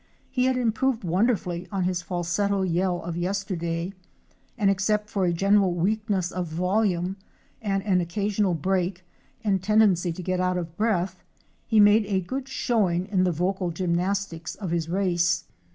He had improved wonderfully on his falsetto yell of yesterday, and except for a general weakness of volume and an occasional break and tendency to get out of breath, he made a good showing in the vocal gymnastics of his race.